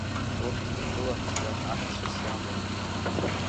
Урҭ ртәыла ԥшӡа аҳцәас иамоуп.